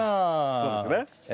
そうですね。